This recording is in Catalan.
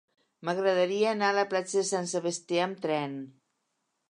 M'agradaria anar a la platja Sant Sebastià amb tren.